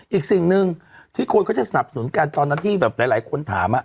อีกสิ่งหนึ่งที่คนเขาจะสนับสนุนกันตอนนั้นที่แบบหลายคนถาม